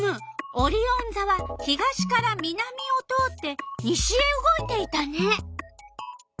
オリオンざは東から南を通って西へ動いていたね。